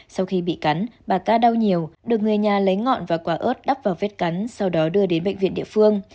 sau khi bị cắn bà ca đau nhiều được người nhà lấy ngọn và quả ớt đắp vào vết cắn sau đó đưa đến bệnh viện địa phương